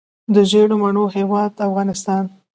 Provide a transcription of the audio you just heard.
د ژیړو مڼو هیواد افغانستان.